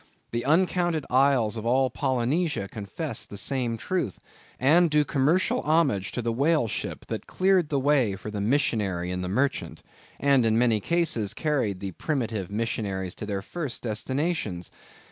The uncounted isles of all Polynesia confess the same truth, and do commercial homage to the whale ship, that cleared the way for the missionary and the merchant, and in many cases carried the primitive missionaries to their first destinations.